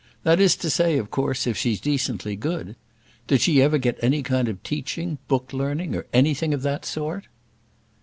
That is to say, of course, if she's decently good. Did she ever get any kind of teaching; book learning, or anything of that sort?"